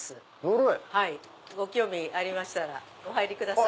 ご興味ありましたらお入りください。